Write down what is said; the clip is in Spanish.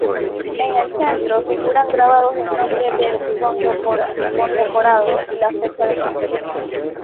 En el centro figuran grabados el nombre del condecorado y la fecha de concesión.